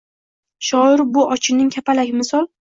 Shoir – bu ochunning kapalak misol